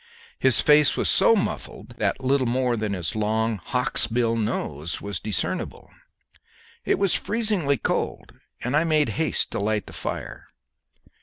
His face was so muffled that little more than his long hawk's bill nose was discernible. It was freezingly cold, and I made haste to light the fire.